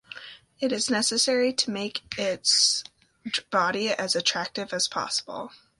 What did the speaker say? It is necessary to make its body as attractive as possible.